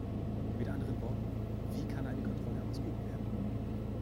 Mit anderen Worten, wie kann eine Kontrolle ausgeübt werden?